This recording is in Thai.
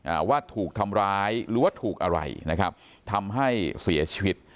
อ่าว่าถูกทำร้ายหรือว่าถูกอะไรนะครับทำให้เสียชีวิต